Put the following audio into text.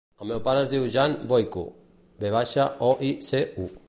El meu pare es diu Jan Voicu: ve baixa, o, i, ce, u.